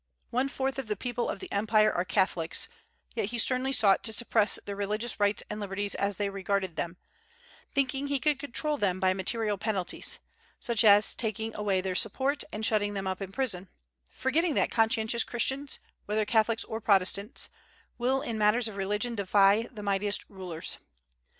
One fourth of the people of the empire are Catholics, yet he sternly sought to suppress their religious rights and liberties as they regarded them, thinking he could control them by material penalties, such as taking away their support, and shutting them up in prison, forgetting that conscientious Christians, whether Catholics or Protestants, will in matters of religion defy the mightiest rulers.